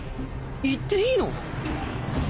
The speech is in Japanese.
行っていいの？」